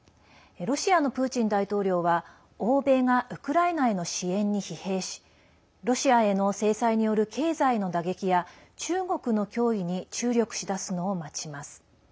ロシアのプーチン大統領は欧米がウクライナへの支援に疲弊しロシアへの制裁による経済への打撃や中国の脅威に注力しだすのを待ちます。